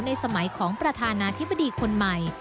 สมัยของประธานาธิบดีคนใหม่